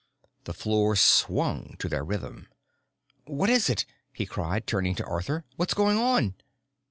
The floor swung to their rhythm. "What is it?" he cried, turning to Arthur. "What's going on?"